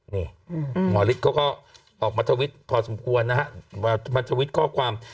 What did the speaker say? นี่หมอฤทธิ์เขาก็ออกมาทวิตพอสมควรนะฮะมาทวิตข้อความ